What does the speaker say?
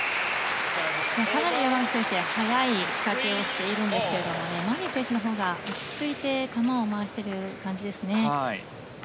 かなり山口選手も早い仕掛けをしているんですがマリン選手のほうが落ち着いて球を回している感じですね。